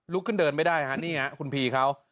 ลุกขึ้นเดินไม่ได้นี่คุณพีร์เขา